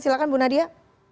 silakan bu nadia